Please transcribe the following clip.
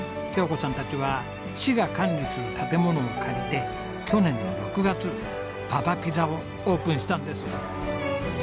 京子さんたちは市が管理する建物を借りて去年の６月ＢａＢａピザをオープンしたんです。